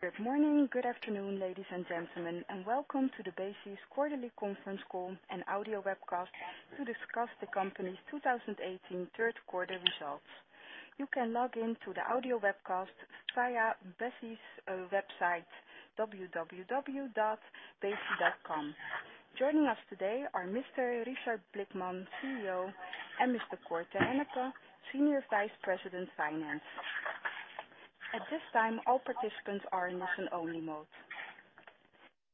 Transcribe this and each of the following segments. Good morning, good afternoon, ladies and gentlemen, and welcome to the Besi's quarterly conference call and audio webcast to discuss the company's 2018 third-quarter results. You can log in to the audio webcast via Besi's website, www.besi.com. Joining us today are Mr. Richard Blickman, CEO, and Mr. Cor te Hennepe, Senior Vice President, Finance. At this time, all participants are in listen-only mode.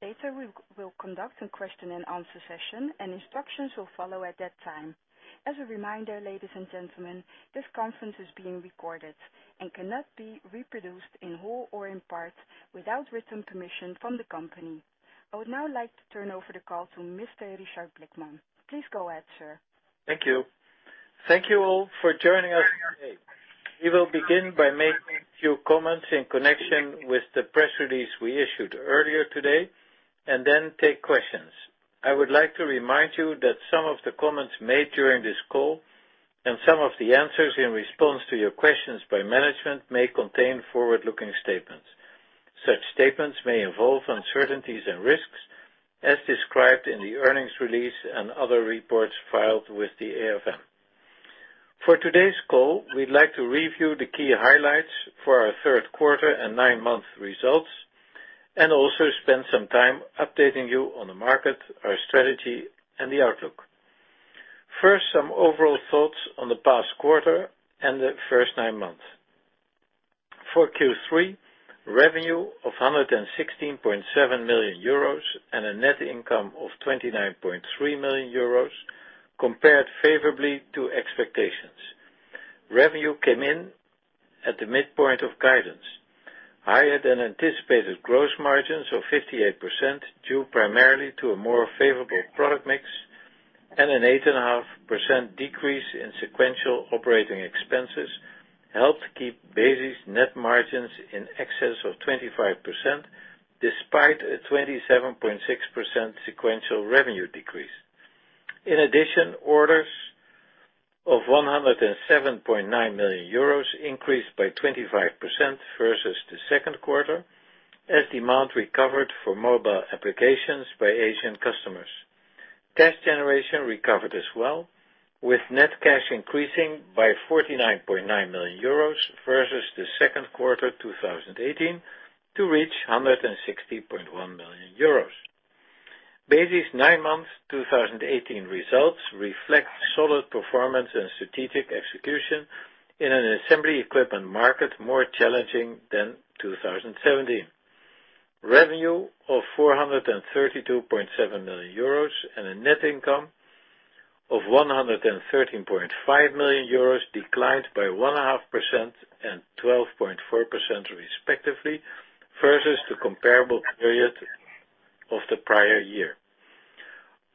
Later, we will conduct a question and answer session, and instructions will follow at that time. As a reminder, ladies and gentlemen, this conference is being recorded and cannot be reproduced in whole or in part without written permission from the company. I would now like to turn over the call to Mr. Richard Blickman. Please go ahead, sir. Thank you. Thank you all for joining us today. We will begin by making a few comments in connection with the press release we issued earlier today and then take questions. I would like to remind you that some of the comments made during this call and some of the answers in response to your questions by management may contain forward-looking statements. Such statements may involve uncertainties and risks as described in the earnings release and other reports filed with the AFM. For today's call, we'd like to review the key highlights for our third quarter and nine-month results, and also spend some time updating you on the market, our strategy, and the outlook. First, some overall thoughts on the past quarter and the first nine months. For Q3, revenue of 116.7 million euros and a net income of 29.3 million euros compared favorably to expectations. Revenue came in at the midpoint of guidance, higher than anticipated gross margins of 58%, due primarily to a more favorable product mix and an 8.5% decrease in sequential operating expenses, helped keep Besi's net margins in excess of 25%, despite a 27.6% sequential revenue decrease. In addition, orders of 107.9 million euros increased by 25% versus the second quarter as demand recovered for mobile applications by Asian customers. Cash generation recovered as well, with net cash increasing by 49.9 million euros versus the second quarter 2018 to reach 160.1 million euros. Besi's nine-month 2018 results reflect solid performance and strategic execution in an assembly equipment market more challenging than 2017. Revenue of 432.7 million euros and a net income of 113.5 million euros declined by 1.5% and 12.4% respectively versus the comparable period of the prior year.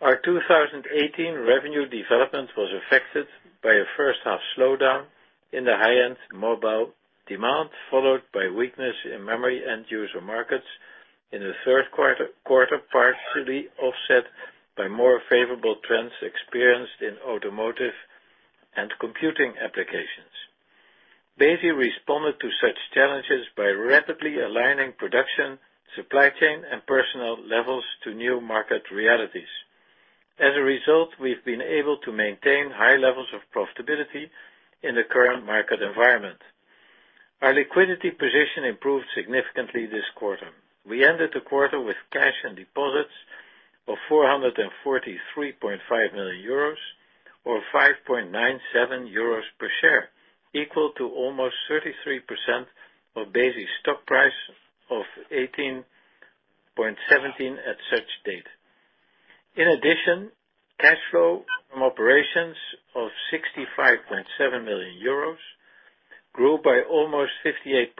Our 2018 revenue development was affected by a first-half slowdown in the high-end mobile demand, followed by weakness in memory end-user markets in the third quarter, partially offset by more favorable trends experienced in automotive and computing applications. Besi responded to such challenges by rapidly aligning production, supply chain, and personnel levels to new market realities. As a result, we've been able to maintain high levels of profitability in the current market environment. Our liquidity position improved significantly this quarter. We ended the quarter with cash and deposits of 443.5 million euros or 5.97 euros per share, equal to almost 33% of Besi's stock price of 18.17 at such date. In addition, cash flow from operations of 65.7 million euros grew by almost 58.7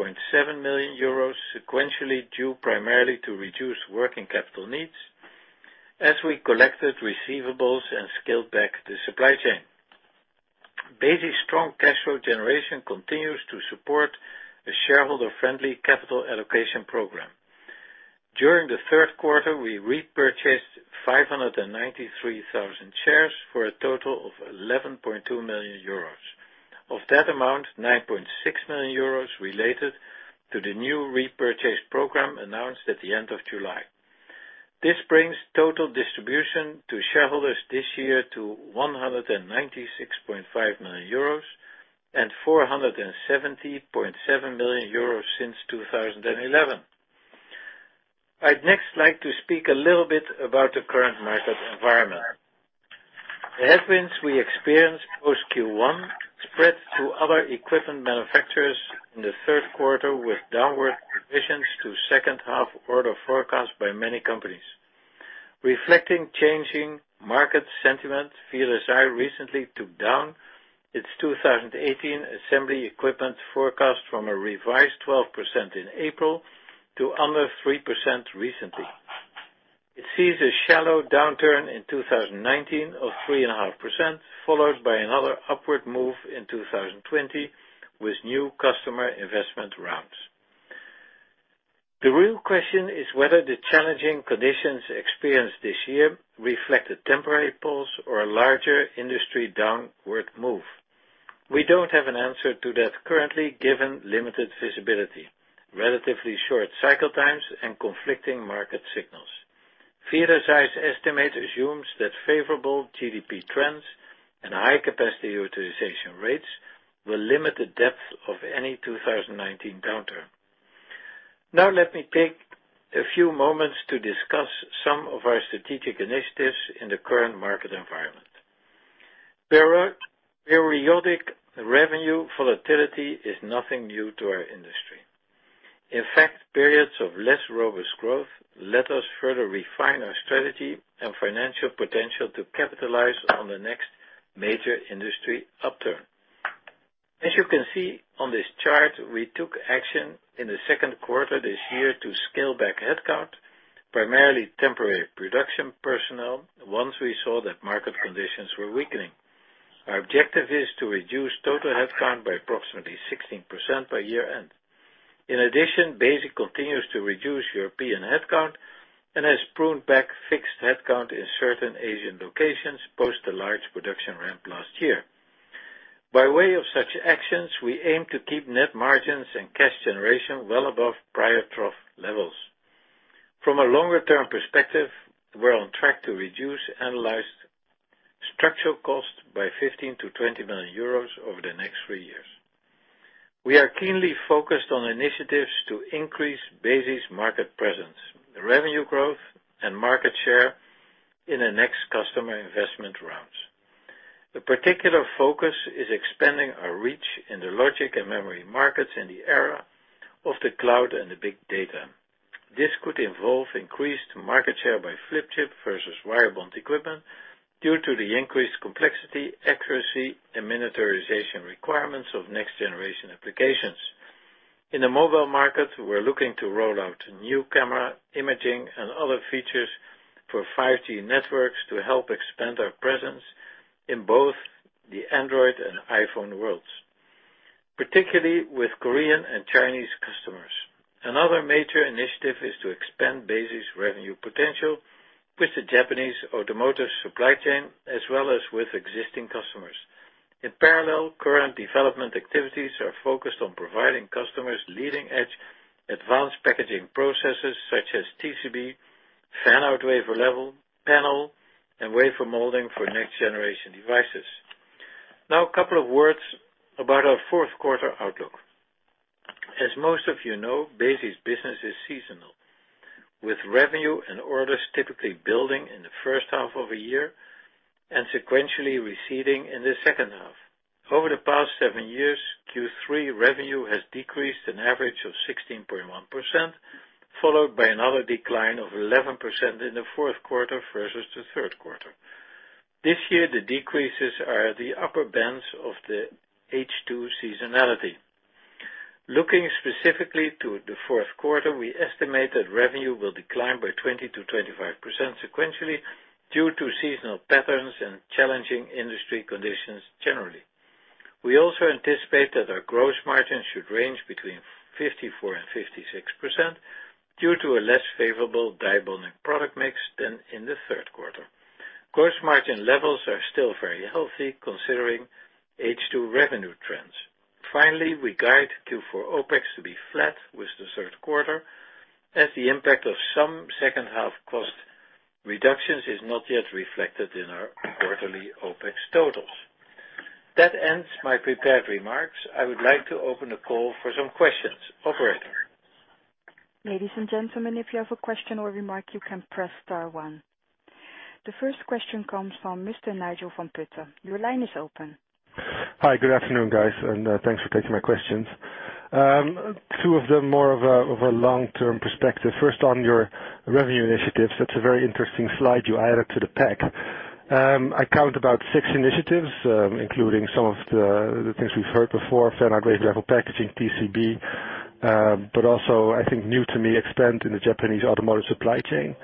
million euros sequentially, due primarily to reduced working capital needs as we collected receivables and scaled back the supply chain. Besi's strong cash flow generation continues to support a shareholder-friendly capital allocation program. During the third quarter, we repurchased 593,000 shares for a total of 11.2 million euros. Of that amount, 9.6 million euros related to the new repurchase program announced at the end of July. This brings total distribution to shareholders this year to 196.5 million euros and 470.7 million euros since 2011. I'd next like to speak a little bit about the current market environment. The headwinds we experienced post Q1 spread to other equipment manufacturers in the third quarter with downward revisions to second-half order forecasts by many companies. Reflecting changing market sentiment, VLSI recently took down its 2018 assembly equipment forecast from a revised 12% in April to under 3% recently. It sees a shallow downturn in 2019 of 3.5%, followed by another upward move in 2020 with new customer investment rounds. The real question is whether the challenging conditions experienced this year reflect a temporary pulse or a larger industry downward move. We don't have an answer to that currently, given limited visibility, relatively short cycle times, and conflicting market signals. VLSI's size estimate assumes that favorable GDP trends and high-capacity utilization rates will limit the depth of any 2019 downturn. Now let me take a few moments to discuss some of our strategic initiatives in the current market environment. Periodic revenue volatility is nothing new to our industry. In fact, periods of less robust growth let us further refine our strategy and financial potential to capitalize on the next major industry upturn. As you can see on this chart, we took action in the second quarter this year to scale back headcount, primarily temporary production personnel, once we saw that market conditions were weakening. Our objective is to reduce total headcount by approximately 16% by year-end. In addition, Besi continues to reduce European headcount and has pruned back fixed headcount in certain Asian locations, post a large production ramp last year. By way of such actions, we aim to keep net margins and cash generation well above prior trough levels. From a longer-term perspective, we're on track to reduce annualized structural costs by 15 million-20 million euros over the next three years. We are keenly focused on initiatives to increase Besi's market presence, revenue growth, and market share in the next customer investment rounds. The particular focus is expanding our reach in the logic and memory markets in the era of the cloud and the big data. This could involve increased market share by flip-chip versus wire bond equipment due to the increased complexity, accuracy, and miniaturization requirements of next-generation applications. In the mobile market, we're looking to roll out new camera, imaging, and other features for 5G networks to help expand our presence in both the Android and iPhone worlds, particularly with Korean and Chinese customers. Another major initiative is to expand Besi's revenue potential with the Japanese automotive supply chain, as well as with existing customers. In parallel, current development activities are focused on providing customers leading-edge advanced packaging processes such as TCB, Fan-Out Wafer-Level, panel, and wafer molding for next-generation devices. Now, a couple of words about our fourth quarter outlook. As most of you know, Besi's business is seasonal, with revenue and orders typically building in the first half of a year and sequentially receding in the second half. Over the past seven years, Q3 revenue has decreased an average of 16.1%, followed by another decline of 11% in the fourth quarter versus the third quarter. This year, the decreases are at the upper bands of the H2 seasonality. Looking specifically to the fourth quarter, we estimate that revenue will decline by 20%-25% sequentially due to seasonal patterns and challenging industry conditions generally. We also anticipate that our gross margin should range between 54% and 56% due to a less favorable die bonding product mix than in the third quarter. Gross margin levels are still very healthy considering H2 revenue trends. Finally, we guide Q4 OpEx to be flat with the third quarter as the impact of some second-half cost reductions is not yet reflected in our quarterly OpEx totals. That ends my prepared remarks. I would like to open the call for some questions. Operator? Ladies and gentlemen, if you have a question or remark, you can press star one. The first question comes from Mr. Nigel van Putten. Your line is open. Hi. Good afternoon, guys, thanks for taking my questions. Two of them more of a long-term perspective. First, on your revenue initiatives, that's a very interesting slide you added to the pack. I count about six initiatives, including some of the things we've heard before, Fan-Out Wafer-Level Packaging, TCB, but also, I think, new to me, expand in the Japanese automotive supply chain.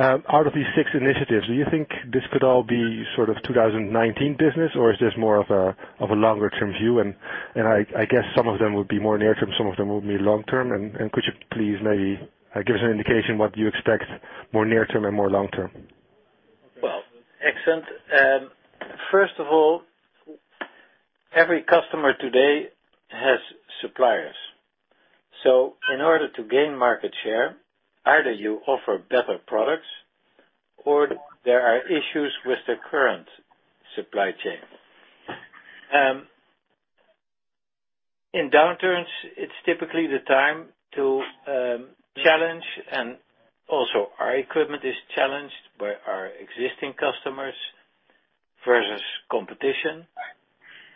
Out of these six initiatives, do you think this could all be sort of 2019 business, or is this more of a longer-term view? I guess some of them would be more near term, some of them would be long term. Could you please maybe give us an indication what you expect more near term and more long term? Well, excellent. First of all, every customer today has suppliers. In order to gain market share, either you offer better products or there are issues with the current supply chain. In downturns, it's typically the time to challenge and also our equipment is challenged by our existing customers versus competition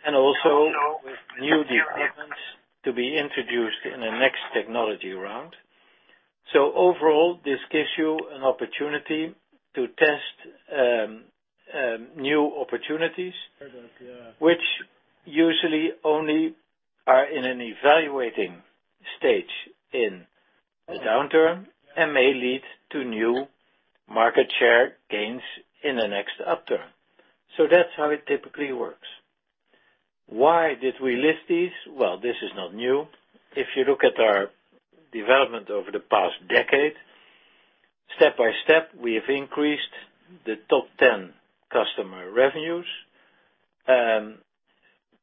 and also with new developments to be introduced in the next technology round. Overall, this gives you an opportunity to test new opportunities which usually only are in an evaluating stage in a downturn and may lead to new market share gains in the next upturn. That's how it typically works. Why did we list these? Well, this is not new. If you look at our development over the past decade. Step by step, we have increased the top 10 customer revenues.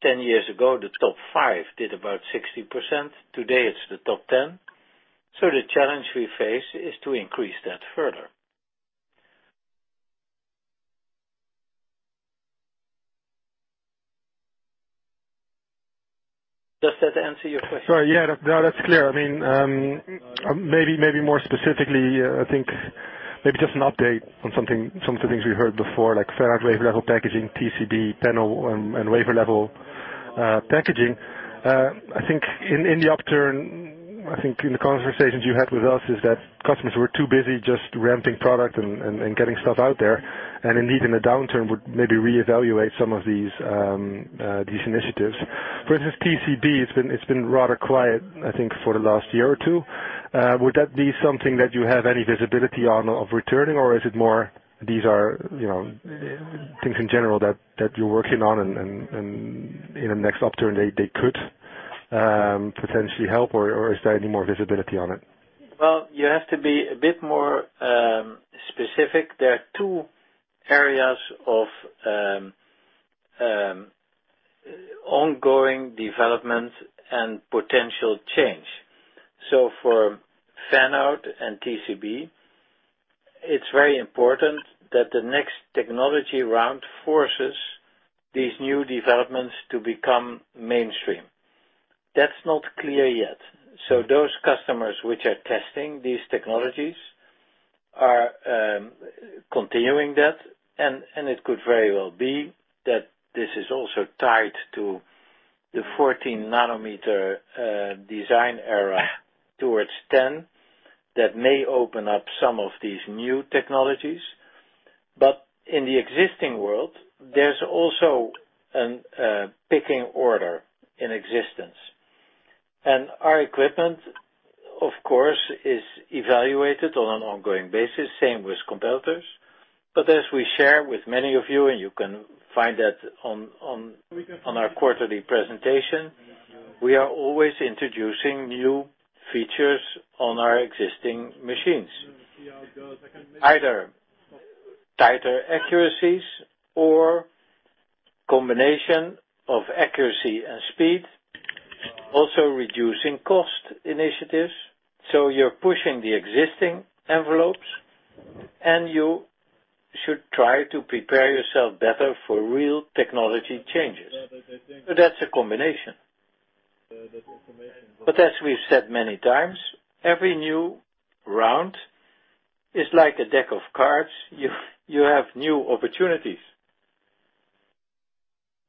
Ten years ago, the top five did about 60%. Today, it's the top 10. The challenge we face is to increase that further. Does that answer your question? Yeah, that's clear. Maybe more specifically, I think maybe just an update on some of the things we heard before, like Fan-Out Wafer-Level Packaging, TCB panel, and wafer level packaging. I think in the upturn, I think in the conversations you had with us is that customers were too busy just ramping product and getting stuff out there, and indeed, in the downturn, would maybe reevaluate some of these initiatives. For instance, TCB, it's been rather quiet, I think, for the last year or two. Would that be something that you have any visibility on of returning? Or is it more, these are things in general that you're working on and in the next upturn they could potentially help, or is there any more visibility on it? Well, you have to be a bit more specific. There are two areas of ongoing development and potential change. For Fan-Out and TCB, it's very important that the next technology round forces these new developments to become mainstream. That's not clear yet. Those customers which are testing these technologies are continuing that, and it could very well be that this is also tied to the 14 nanometer design era towards 10. That may open up some of these new technologies, but in the existing world, there's also a picking order in existence. Our equipment, of course, is evaluated on an ongoing basis, same with competitors. As we share with many of you, and you can find that on our quarterly presentation, we are always introducing new features on our existing machines. Either tighter accuracies or combination of accuracy and speed. Also reducing cost initiatives. You're pushing the existing envelopes, and you should try to prepare yourself better for real technology changes. That's a combination. As we've said many times, every new round is like a deck of cards. You have new opportunities.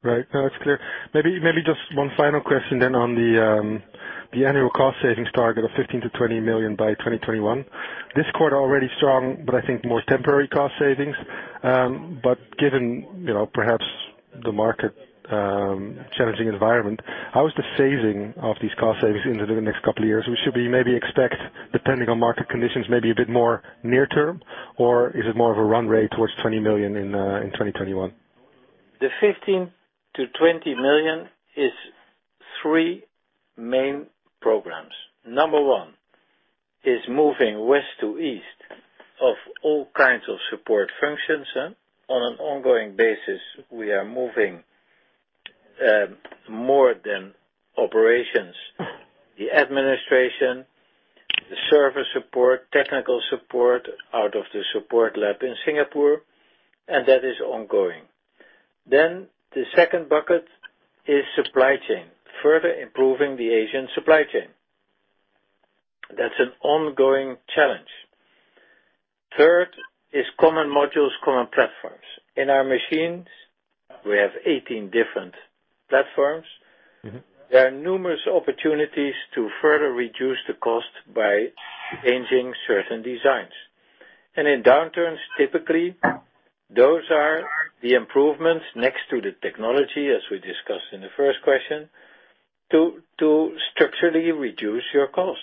Right. No, it's clear. Maybe just one final question on the annual cost savings target of 15 million-20 million by 2021. This quarter already strong, I think more temporary cost savings. Given perhaps the market challenging environment, how is the phasing of these cost savings into the next couple of years? We should maybe expect, depending on market conditions, maybe a bit more near term? Is it more of a run rate towards 20 million in 2021? The 15 million-20 million is three main programs. Number one is moving west to east of all kinds of support functions. On an ongoing basis, we are moving more than operations, the administration, the service support, technical support out of the support lab in Singapore, and that is ongoing. The second bucket is supply chain, further improving the Asian supply chain. That's an ongoing challenge. Third is common modules, common platforms. In our machines, we have 18 different platforms. There are numerous opportunities to further reduce the cost by changing certain designs. In downturns, typically, those are the improvements next to the technology, as we discussed in the first question, to structurally reduce your cost.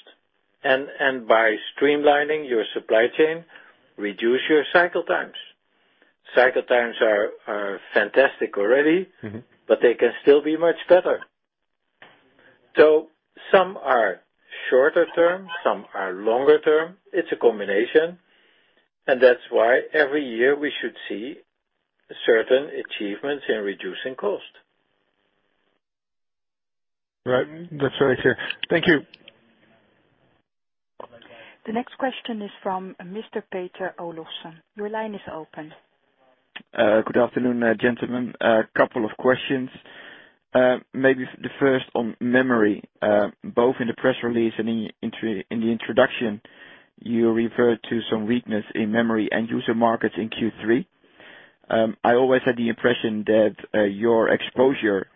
By streamlining your supply chain, reduce your cycle times. Cycle times are fantastic already- They can still be much better. Some are shorter term, some are longer term. It's a combination, and that's why every year we should see certain achievements in reducing cost. Right. That's very clear. Thank you. The next question is from Mr. Peter Olofsen. Your line is open. Good afternoon, gentlemen. A couple of questions. Maybe the first on memory, both in the press release and in the introduction, you referred to some weakness in memory end user markets in Q3. I always had the impression that your exposure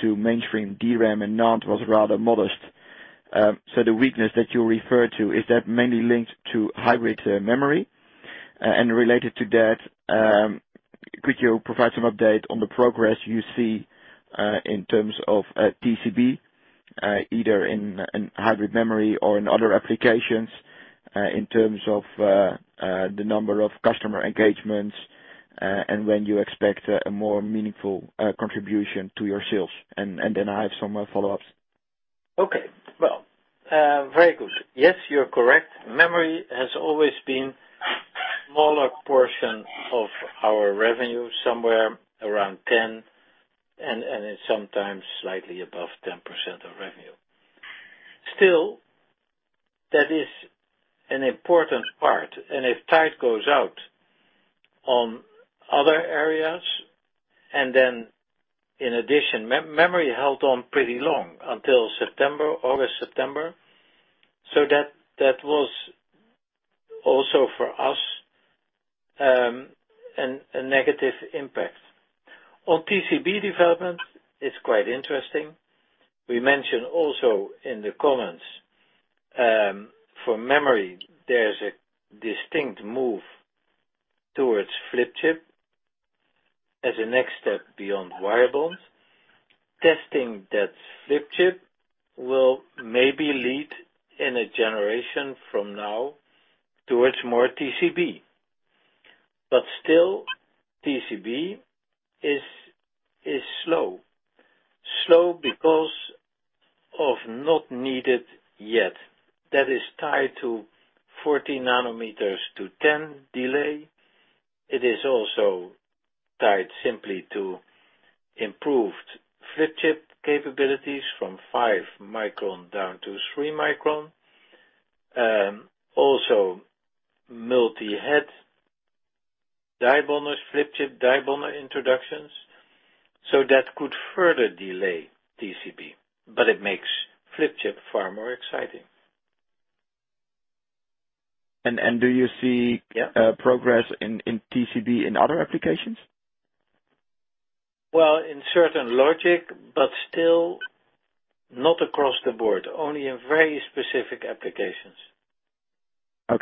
to mainstream DRAM and NAND was rather modest. The weakness that you refer to, is that mainly linked to hybrid memory? Related to that, could you provide some update on the progress you see in terms of TCB, either in hybrid memory or in other applications, in terms of the number of customer engagements and when you expect a more meaningful contribution to your sales? I have some follow-ups. Okay. Well, very good. Yes, you're correct. Memory has always been a smaller portion of our revenue, somewhere around 10%, and it's sometimes slightly above 10% of revenue. Still, that is an important part, and if tide goes out on other areas, and then in addition, memory held on pretty long until August, September. That was also, for us, a negative impact. On TCB development, it's quite interesting. We mentioned also in the comments, for memory, there's a distinct move towards flip-chip as a next step beyond wire bond. Testing that flip-chip will maybe lead in a generation from now towards more TCB. Still, TCB is slow. Slow because of not needed yet. That is tied to 14 nanometers to 10 nanometer delay. It is also tied simply to improved flip-chip capabilities from five micron down to three micron, also multi-head die bonders, flip-chip die bonder introductions. That could further delay TCB, but it makes flip-chip far more exciting. Do you see Yeah. Progress in TCB in other applications? Well, in certain logic, but still not across the board, only in very specific applications. I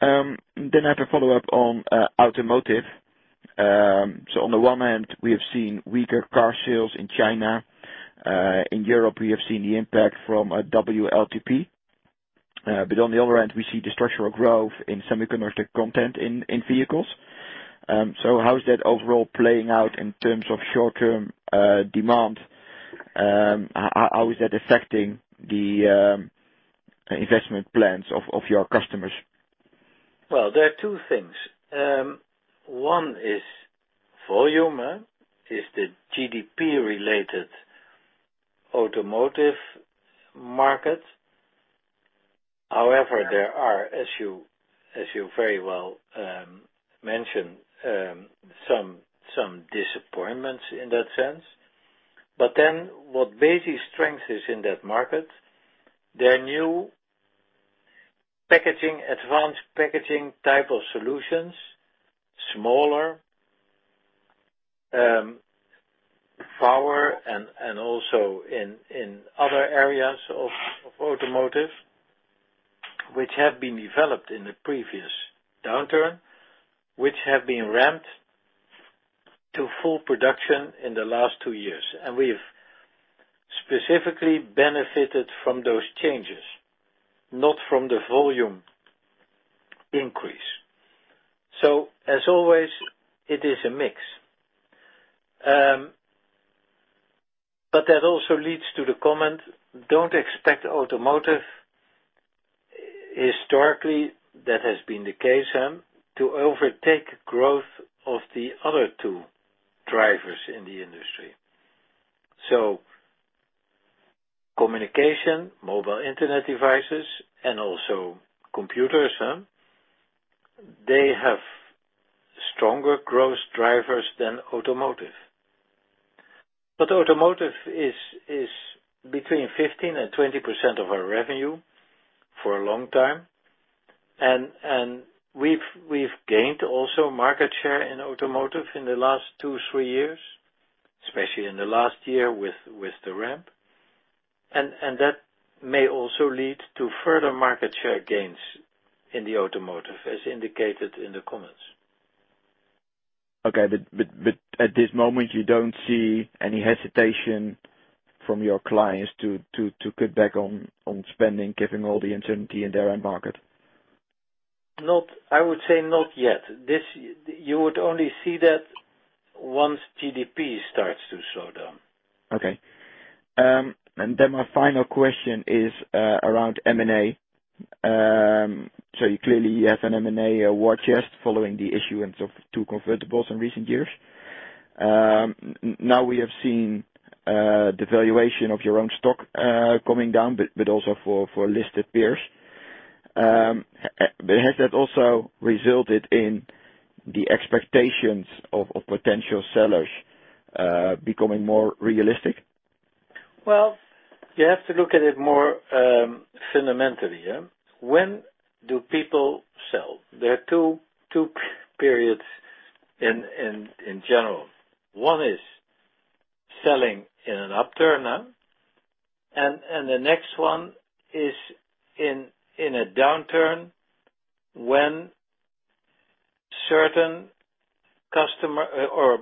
have to follow up on automotive. On the one hand, we have seen weaker car sales in China. In Europe, we have seen the impact from WLTP. On the other hand, we see the structural growth in semiconductor content in vehicles. How is that overall playing out in terms of short-term demand? How is that affecting the investment plans of your customers? There are two things. One is volume, is the GDP-related automotive market. However, there are, as you very well mentioned, some disappointments in that sense. What Besi's strength is in that market, there are new advanced packaging type of solutions, smaller, power, and also in other areas of automotive, which have been developed in the previous downturn, which have been ramped to full production in the last two years. We've specifically benefited from those changes, not from the volume increase. As always, it is a mix. That also leads to the comment, don't expect automotive, historically, that has been the case, to overtake growth of the other two drivers in the industry. Communication, mobile internet devices, and also computers, they have stronger growth drivers than automotive. Automotive is between 15% and 20% of our revenue for a long time. We've gained also market share in automotive in the last two, three years, especially in the last year with the ramp. That may also lead to further market share gains in the automotive, as indicated in the comments. At this moment, you don't see any hesitation from your clients to cut back on spending, given all the uncertainty in their end market? I would say not yet. You would only see that once GDP starts to slow down. Okay. My final question is around M&A. You clearly have an M&A war chest following the issuance of two convertibles in recent years. Now we have seen the valuation of your own stock coming down, also for listed peers. Has that also resulted in the expectations of potential sellers becoming more realistic? You have to look at it more fundamentally. When do people sell? There are two periods in general. One is selling in an upturn. The next one is in a downturn when certain customer or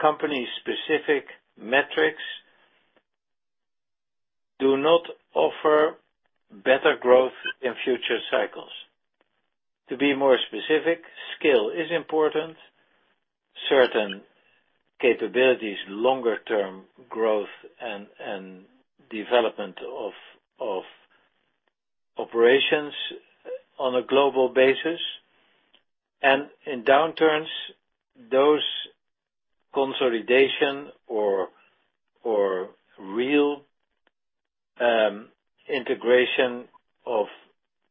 company-specific metrics do not offer better growth in future. To be more specific, scale is important. Certain capabilities, longer-term growth, and development of operations on a global basis. In downturns, those consolidation or real integration of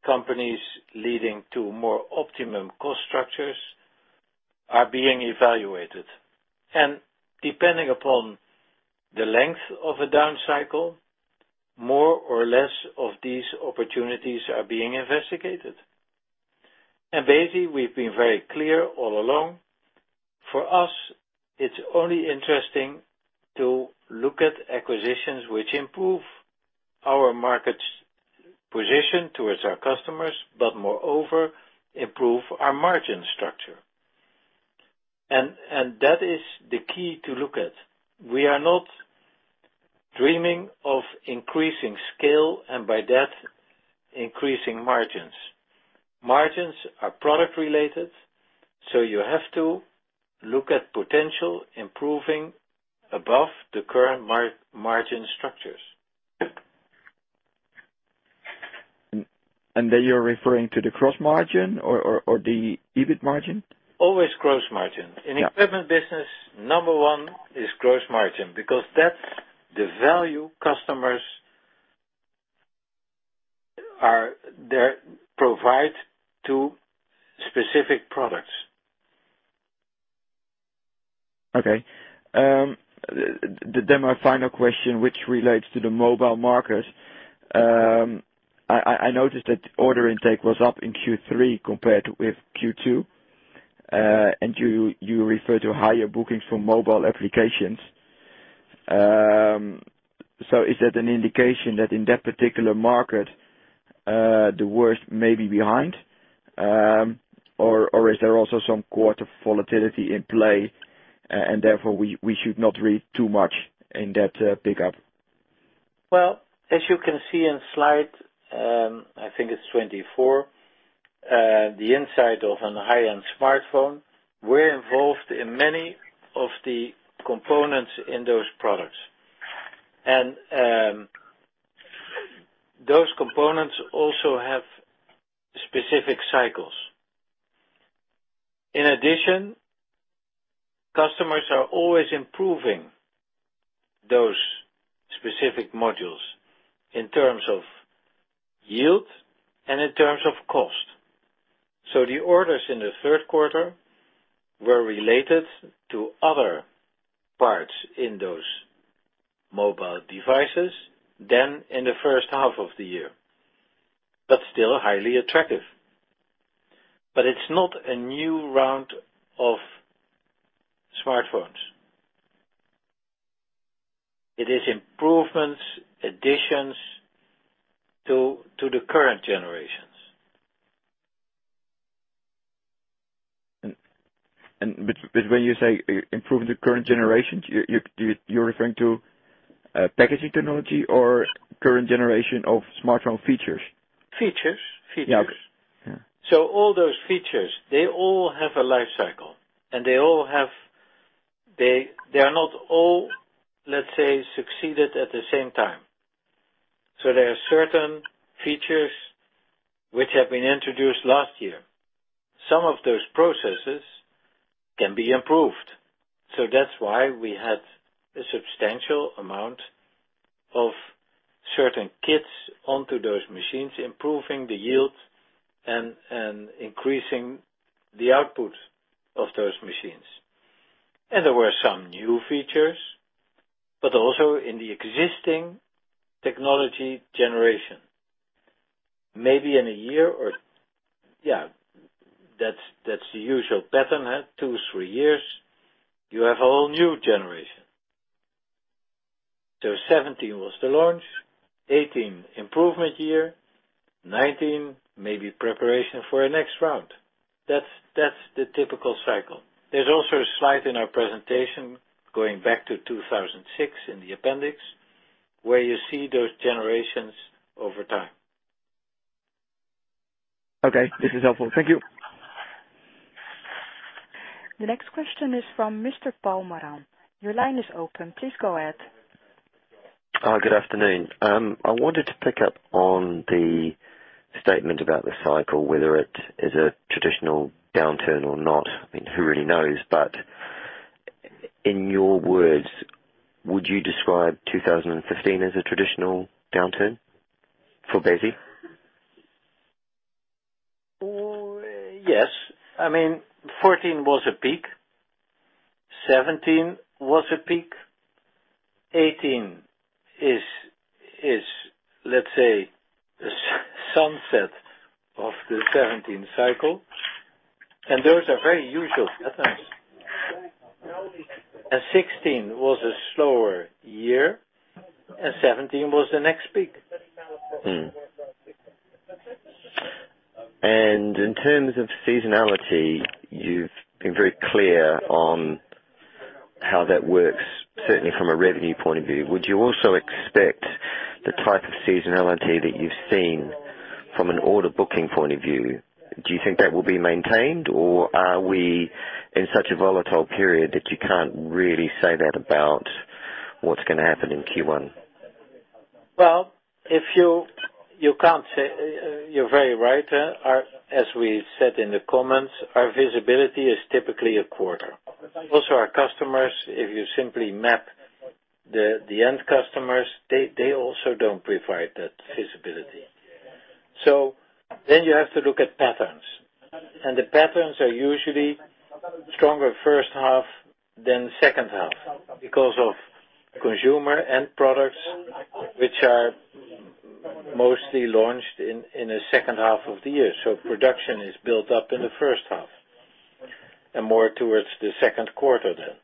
companies leading to more optimum cost structures are being evaluated. Depending upon the length of a down cycle, more or less of these opportunities are being investigated. We've been very clear all along. For us, it's only interesting to look at acquisitions which improve our market's position towards our customers, but moreover, improve our margin structure. That is the key to look at. We are not dreaming of increasing scale and by that, increasing margins. Margins are product-related, so you have to look at potential improving above the current margin structures. there, you're referring to the gross margin or the EBIT margin? Always gross margin. Yeah. In equipment business, number one is gross margin, because that's the value customers provide to specific products. Okay. My final question, which relates to the mobile market. I noticed that order intake was up in Q3 compared with Q2. You refer to higher bookings for mobile applications. Is that an indication that in that particular market, the worst may be behind? Is there also some quarter volatility in play, and therefore, we should not read too much in that pickup? Well, as you can see in slide, I think it's 24, the inside of a high-end smartphone, we're involved in many of the components in those products. Those components also have specific cycles. In addition, customers are always improving those specific modules in terms of yield and in terms of cost. The orders in the third quarter were related to other parts in those mobile devices than in the first half of the year. Still highly attractive. It's not a new round of smartphones. It is improvements, additions to the current generations. When you say improve the current generations, you're referring to packaging technology or current generation of smartphone features? Features. Yeah, okay. All those features, they all have a life cycle, and they are not all, let's say, succeeded at the same time. There are certain features which have been introduced last year. Some of those processes can be improved. That's why we had a substantial amount of certain kits onto those machines, improving the yield, and increasing the output of those machines. There were some new features, but also in the existing technology generation. Maybe in a year or Yeah, that's the usual pattern, two, three years, you have a whole new generation. 2017 was the launch, 2018 improvement year, 2019 maybe preparation for a next round. That's the typical cycle. There's also a slide in our presentation going back to 2006 in the appendix, where you see those generations over time. Okay. This is helpful. Thank you. The next question is from Mr. Paul Moran. Your line is open. Please go ahead. Good afternoon. I wanted to pick up on the statement about the cycle, whether it is a traditional downturn or not. I mean, who really knows? In your words, would you describe 2015 as a traditional downturn for Besi? Yes. I mean, 2014 was a peak, 2017 was a peak, 2018 is, let's say, the sunset of the 2017 cycle, and those are very usual patterns. 2016 was a slower year, and 2017 was the next peak. In terms of seasonality, you've been very clear on how that works, certainly from a revenue point of view, would you also expect the type of seasonality that you've seen from an order booking point of view? Do you think that will be maintained, or are we in such a volatile period that you can't really say that about what's going to happen in Q1? Well, you're very right. As we said in the comments, our visibility is typically a quarter. Our customers, if you simply map the end customers, they also don't provide that visibility. You have to look at patterns, the patterns are usually stronger first half than second half because of consumer end products, which are mostly launched in the second half of the year. Production is built up in the first half and more towards the second quarter then.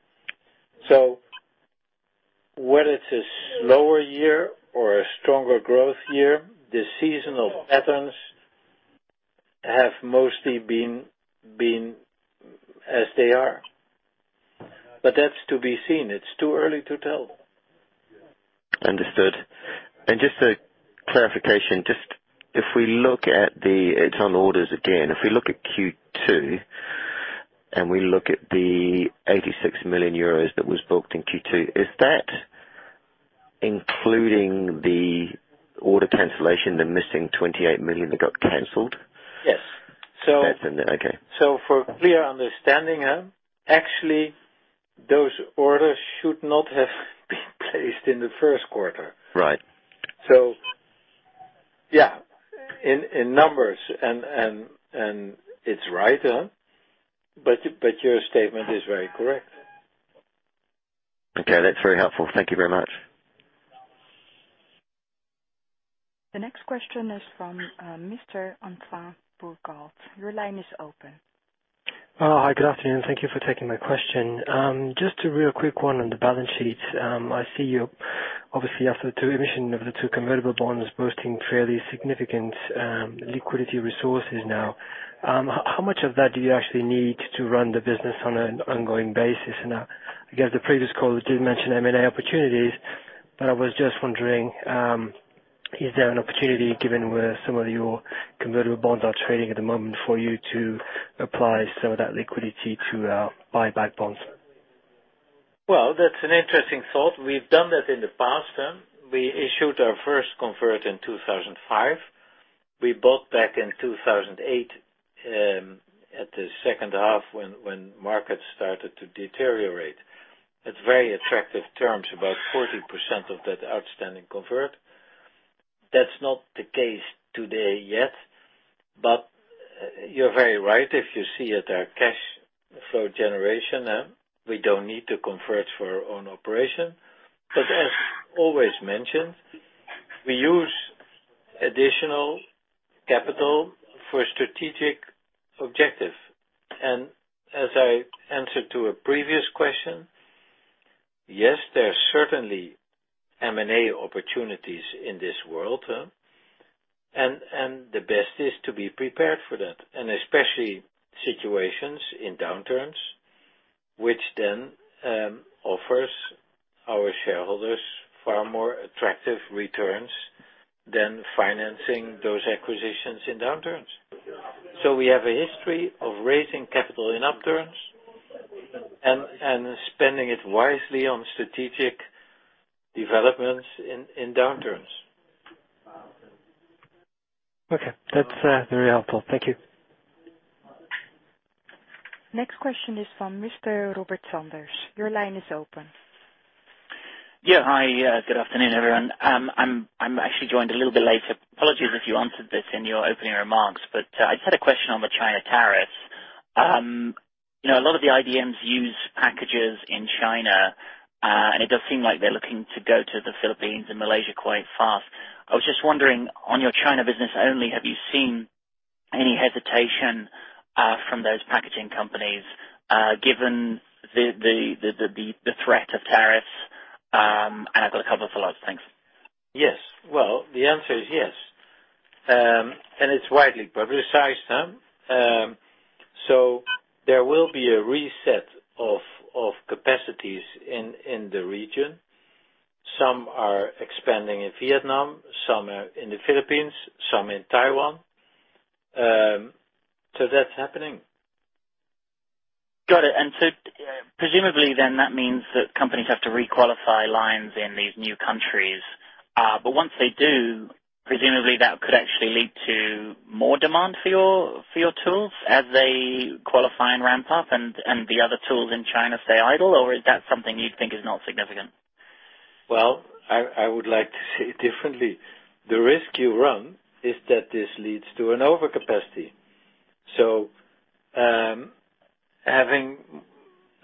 Whether it's a slower year or a stronger growth year, the seasonal patterns have mostly been as they are. That's to be seen. It's too early to tell. Understood. Just a clarification, if we look at the internal orders again, if we look at Q2, and we look at the 86 million euros that was booked in Q2, is that including the order cancellation, the missing 28 million that got canceled? Yes. That's in there. Okay. For clear understanding, actually, those orders should not have been placed in the first quarter. Right. Yeah, in numbers and it's right, but your statement is very correct. Okay, that's very helpful. Thank you very much. The next question is from Mr. Antoine Burkalt. Your line is open. Hi, good afternoon. Thank you for taking my question. Just a real quick one on the balance sheet. I see you, obviously after the two emission of the two convertible bonds, boasting fairly significant liquidity resources now. How much of that do you actually need to run the business on an ongoing basis now? I guess the previous caller did mention M&A opportunities. I was just wondering, is there an opportunity given where some of your convertible bonds are trading at the moment for you to apply some of that liquidity to buy back bonds? Well, that's an interesting thought. We've done that in the past. We issued our first convert in 2005. We bought back in 2008, at the second half when markets started to deteriorate. It's very attractive terms, about 40% of that outstanding convert. That's not the case today yet. You're very right. If you see at our cash flow generation, we don't need to convert for our own operation. As always mentioned, we use additional capital for strategic objective. As I answered to a previous question, yes, there are certainly M&A opportunities in this world. The best is to be prepared for that, especially situations in downturns, which offers our shareholders far more attractive returns than financing those acquisitions in downturns. We have a history of raising capital in upturns and spending it wisely on strategic developments in downturns. Okay. That's very helpful. Thank you. Next question is from Mr. Robert Sanders. Your line is open. Yeah. Hi. Good afternoon, everyone. I'm actually joined a little bit later. Apologies if you answered this in your opening remarks, but I just had a question on the China tariffs. A lot of the IDM use packages in China. It does seem like they're looking to go to the Philippines and Malaysia quite fast. I was just wondering, on your China business only, have you seen any hesitation from those packaging companies, given the threat of tariffs? I've got a couple follow-ups. Thanks. Yes. Well, the answer is yes. It's widely publicized. There will be a reset of capacities in the region. Some are expanding in Vietnam, some are in the Philippines, some in Taiwan. That's happening. Got it. Presumably then that means that companies have to re-qualify lines in these new countries. Once they do, presumably that could actually lead to more demand for your tools as they qualify and ramp up and the other tools in China stay idle, or is that something you think is not significant? Well, I would like to say it differently. The risk you run is that this leads to an overcapacity.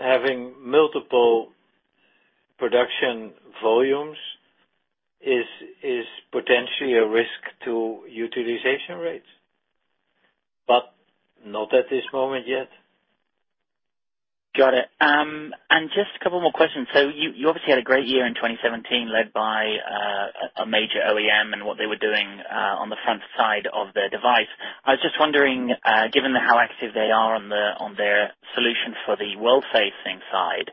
Having multiple production volumes is potentially a risk to utilization rates, but not at this moment yet. Just a couple more questions. You obviously had a great year in 2017 led by a major OEM and what they were doing on the front side of their device. I was just wondering, given how active they are on their solution for the world-facing side,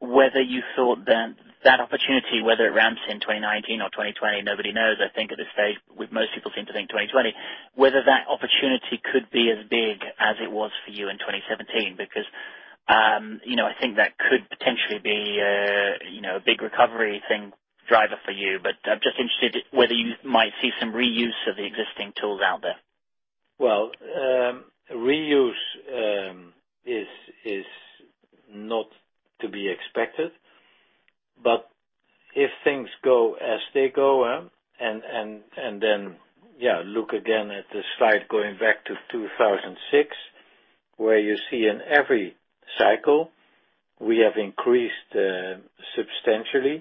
whether you thought that that opportunity, whether it ramps in 2019 or 2020, nobody knows, I think at this stage, with most people seem to think 2020, whether that opportunity could be as big as it was for you in 2017. I think that could potentially be a big recovery thing driver for you. I'm just interested whether you might see some reuse of the existing tools out there. Well, reuse is not to be expected. If things go as they go, then, look again at the slide going back to 2006, where you see in every cycle, we have increased substantially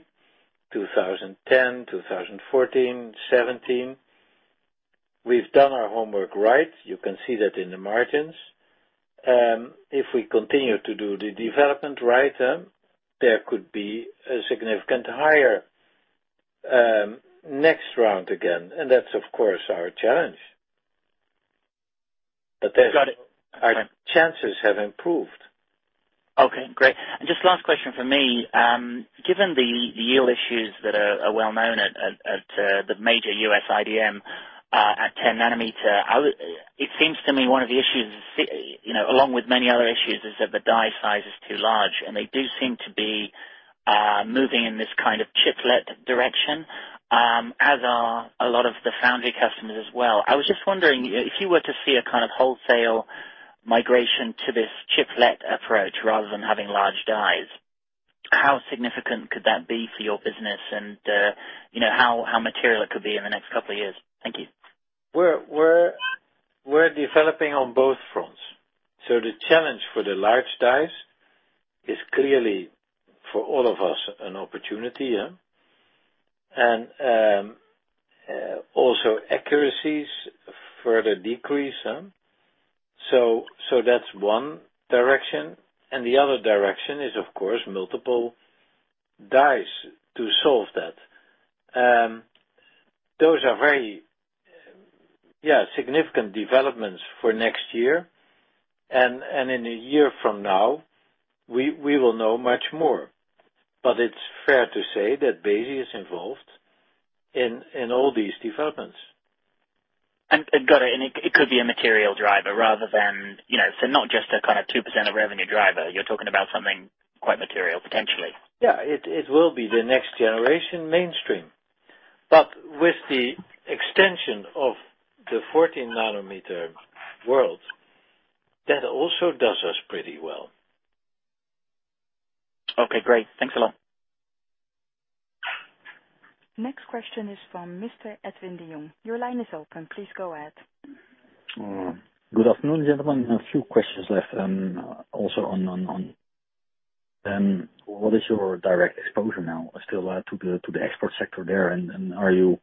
in 2010, 2014, 2017. We've done our homework right. You can see that in the margins. If we continue to do the development right, there could be a significant higher next round again, and that's, of course, our challenge. Got it. Our chances have improved. Just last question from me, given the yield issues that are well-known at the major U.S. IDM, at 10 nanometer, it seems to me one of the issues, along with many other issues, is that the die size is too large, and they do seem to be moving in this kind of chiplet direction, as are a lot of the foundry customers as well. I was just wondering, if you were to see a kind of wholesale migration to this chiplet approach rather than having large dies, how significant could that be for your business and how material it could be in the next couple of years? Thank you. We're developing on both fronts. The challenge for the large dies is clearly for all of us an opportunity. Also accuracies further decrease. That's one direction, and the other direction is, of course, multiple dies to solve that. Those are very significant developments for next year. In a year from now, we will know much more. It's fair to say that Besi is involved in all these developments. Got it. It could be a material driver rather than, not just a kind of 2% of revenue driver. You're talking about something quite material potentially. Yeah, it will be the next generation mainstream. With the extension of the 14-nanometer world, that also does us pretty well. Okay, great. Thanks a lot. Next question is from Mr. Edwin de Jong. Your line is open. Please go ahead. Good afternoon, gentlemen. A few questions left. Also on, what is your direct exposure now still to the export sector there, and are you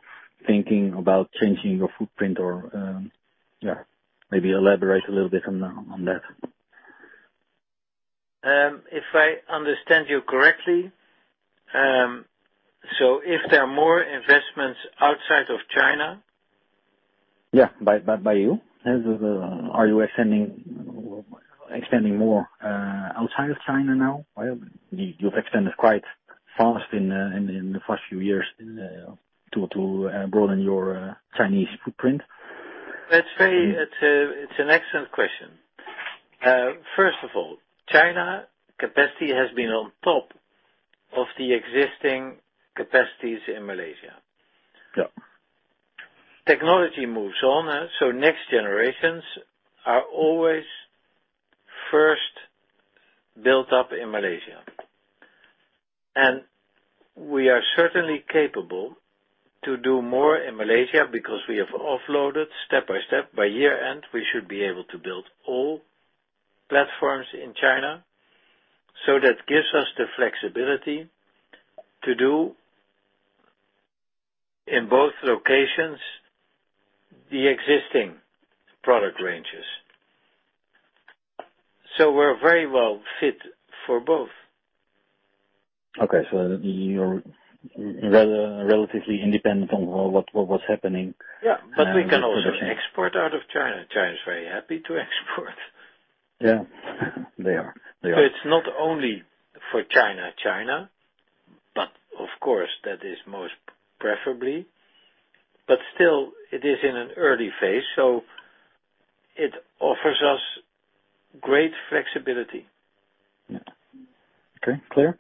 thinking about changing your footprint or, yeah, maybe elaborate a little bit on that. If I understand you correctly, if there are more investments outside of China? Yeah. By you. Are you extending more, outside of China now? You've extended quite fast in the first few years, to broaden your Chinese footprint. It's an excellent question. First of all, China capacity has been on top of the existing capacities in Malaysia. Yeah. Technology moves on. Next generations are always first built up in Malaysia. We are certainly capable to do more in Malaysia because we have offloaded step by step. By year-end, we should be able to build all platforms in China. That gives us the flexibility to do, in both locations, the existing product ranges. We're very well fit for both. Okay. You're relatively independent on what was happening- Yeah. We can also export out of China. China is very happy to export. Yeah. They are. It is not only for China, but of course that is most preferably. Still, it is in an early phase, so it offers us great flexibility. Yeah. Okay. Clear.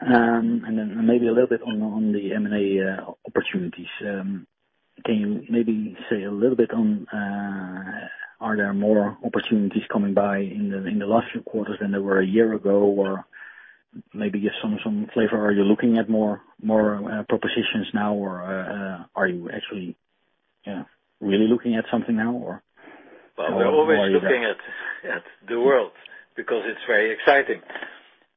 Then maybe a little bit on the M&A opportunities. Can you maybe say a little bit on, are there more opportunities coming by in the last few quarters than there were a year ago? Or maybe give some flavor. Are you looking at more propositions now or are you actually really looking at something now? We're always looking at the world because it's very exciting.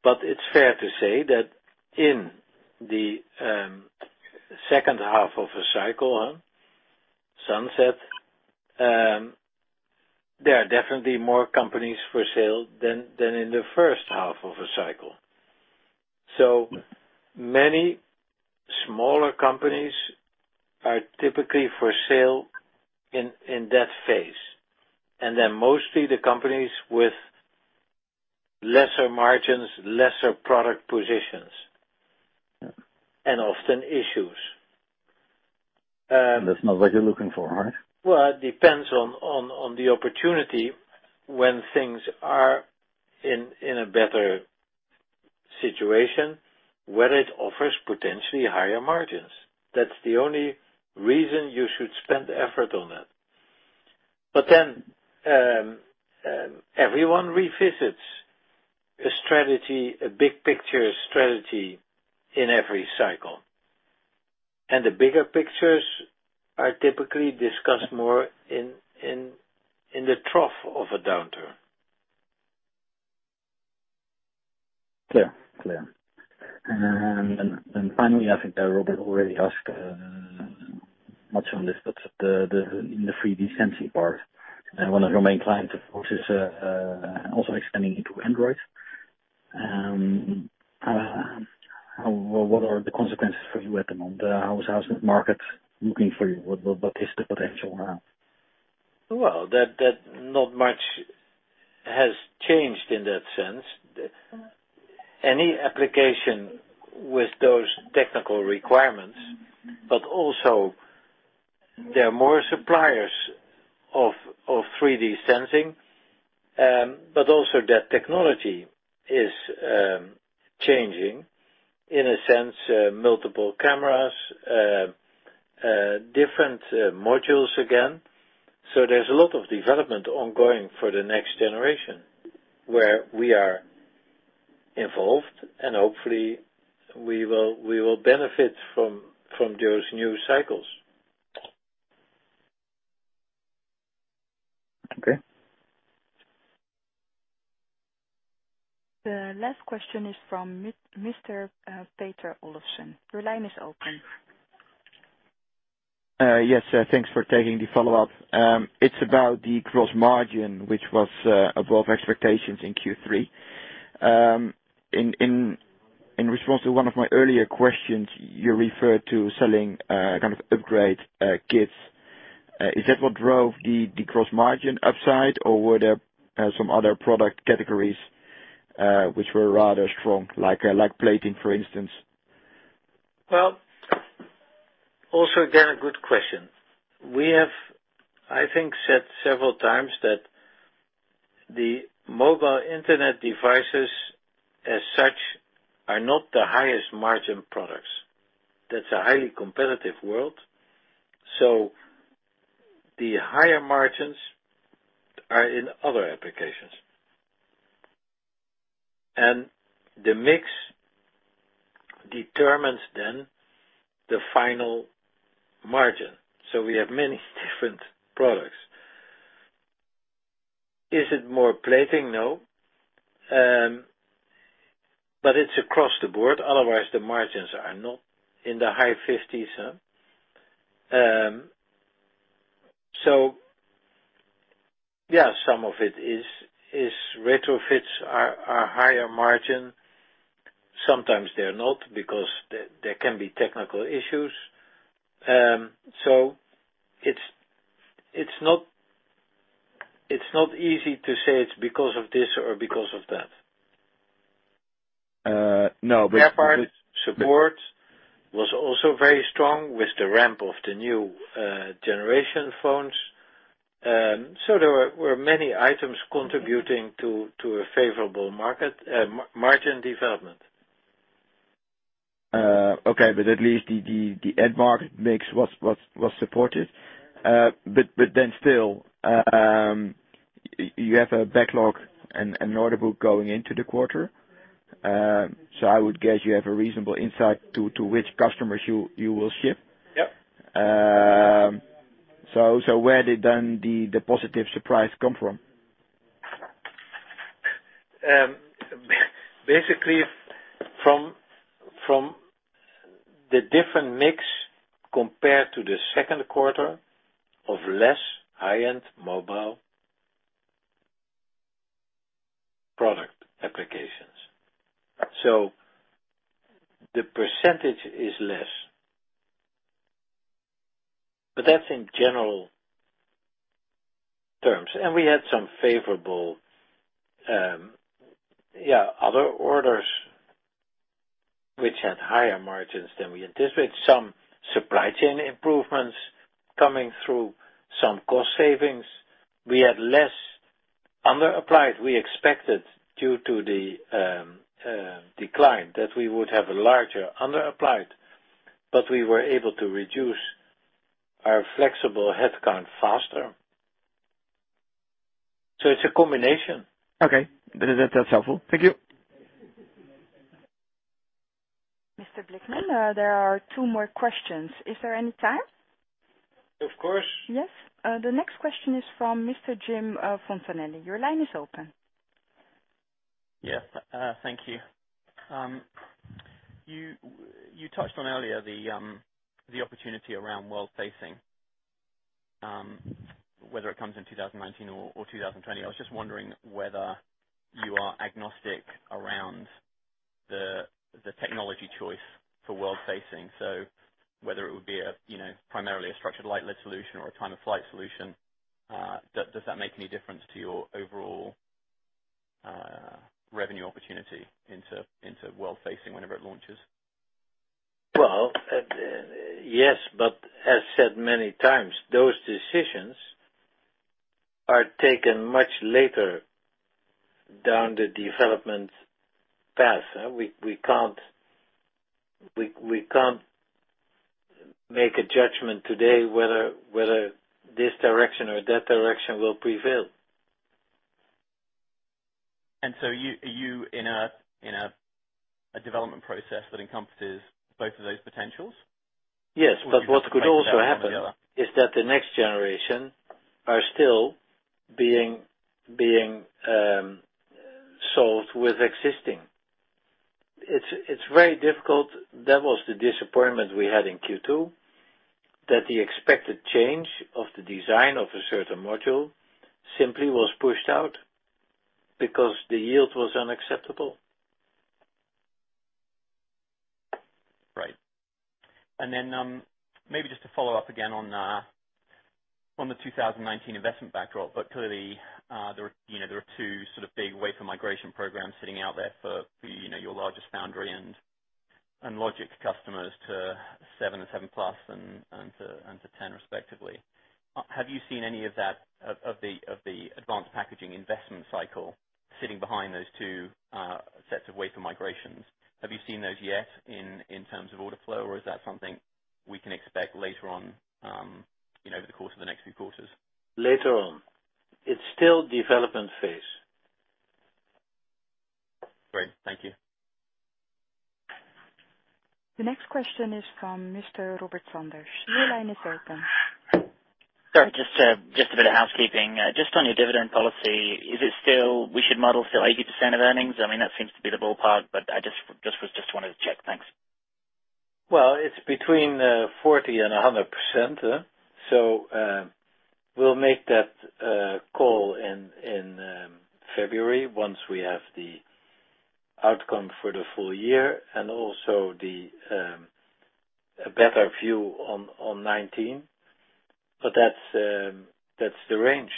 It's fair to say that in the second half of a cycle, sunset, there are definitely more companies for sale than in the first half of a cycle. Many smaller companies are typically for sale in that phase, and they're mostly the companies with lesser margins, lesser product positions. Yeah. Often issues. That's not what you're looking for, right? It depends on the opportunity when things are in a better situation, whether it offers potentially higher margins. That's the only reason you should spend effort on that. Everyone revisits a big picture strategy in every cycle, and the bigger pictures are typically discussed more in the trough of a downturn. Clear. Finally, I think that Robert already asked much on this, but in the 3D sensing part, one of your main clients, of course, is also extending into Android. What are the consequences for you at the moment? How's the market looking for you? What is the potential now? Well, not much has changed in that sense. Any application with those technical requirements, but also there are more suppliers of 3D sensing, but also that technology is changing in a sense, multiple cameras, different modules again. There's a lot of development ongoing for the next generation, where we are involved, and hopefully we will benefit from those new cycles. Okay. The last question is from Mr. Peter Olofsen. Your line is open. Yes, thanks for taking the follow-up. It's about the gross margin, which was above expectations in Q3. In response to one of my earlier questions, you referred to selling kind of upgrade kits. Is that what drove the gross margin upside, or were there some other product categories, which were rather strong, like plating, for instance? Well, also, again, a good question. We have, I think, said several times that the mobile internet devices as such are not the highest margin products. That is a highly competitive world. The higher margins are in other applications. The mix determines then the final margin. We have many different products. Is it more plating? No. It is across the board. Otherwise, the margins are not in the high 50s. Yeah, some of it is retrofits are higher margin. Sometimes they are not, because there can be technical issues. It is not easy to say it is because of this or because of that. No, but. Spare parts support was also very strong with the ramp of the new generation phones. There were many items contributing to a favorable market, margin development. Okay, at least the end market mix was supported. Still, you have a backlog and an order book going into the quarter. I would guess you have a reasonable insight to which customers you will ship. Yep. Where did then the positive surprise come from? Basically, from the different mix compared to the second quarter of less high-end mobile product applications. The percentage is less, but that's in general terms. We had some favorable other orders which had higher margins than we anticipated. Some supply chain improvements coming through, some cost savings. We had less under applied. We expected due to the decline that we would have a larger under applied, but we were able to reduce our flexible headcount faster. It's a combination. Okay. That's helpful. Thank you. Mr. Blickman, there are two more questions. Is there any time? Of course. Yes. The next question is from Mr. Jim Fontanelli. Your line is open. Yeah. Thank you. You touched on earlier the opportunity around world-facing. Whether it comes in 2019 or 2020, I was just wondering whether you are agnostic around the technology choice for world-facing. Whether it would be primarily a structured light led solution or a time-of-flight solution, does that make any difference to your overall revenue opportunity into world-facing whenever it launches? Well, yes, as said many times, those decisions are taken much later down the development path. We can't make a judgment today whether this direction or that direction will prevail. Are you in a development process that encompasses both of those potentials? Yes. What could also happen is that the next generation are still being solved with existing. It's very difficult. That was the disappointment we had in Q2, that the expected change of the design of a certain module simply was pushed out because the yield was unacceptable. Right. Maybe just to follow up again on the 2019 investment backdrop, clearly, there are two sort of big wafer migration programs sitting out there for your largest foundry and logic customers to 7nm and 7nm+ and to 10 respectively. Have you seen any of the advanced packaging investment cycle sitting behind those two sets of wafer migrations? Have you seen those yet in terms of order flow, or is that something we can expect later on, over the course of the next few quarters? Later on. It's still development phase. Great. Thank you. The next question is from Mr. Robert Sanders. Your line is open. Sorry, just a bit of housekeeping. Just on your dividend policy, is it still we should model still 80% of earnings? That seems to be the ballpark, but I just wanted to check. Thanks. It's between 40% and 100%. We'll make that call in February once we have the outcome for the full year and also a better view on 2019. That's the range.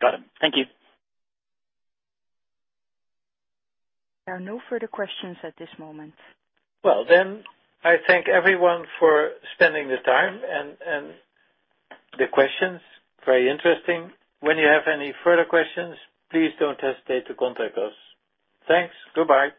Got it. Thank you. There are no further questions at this moment. Well, I thank everyone for spending the time and the questions, very interesting. When you have any further questions, please don't hesitate to contact us. Thanks. Goodbye.